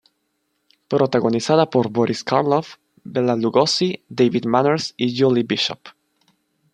Protagonizada por Boris Karloff, Bela Lugosi, David Manners y Julie Bishop.